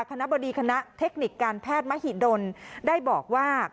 คณะบดีคณะเทคนิคการแพทย์มหิดลได้บอกว่า